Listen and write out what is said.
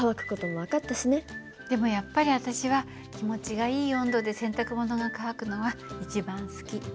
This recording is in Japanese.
でもやっぱり私は気持ちがいい温度で洗濯物が乾くのが一番好き。